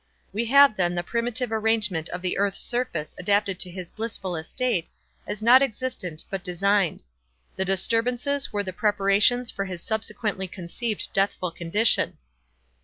We have then the primitive arrangement of the earth's surface adapted to his blissful estate, as not existent but designed. The disturbances were the preparations for his subsequently conceived deathful condition.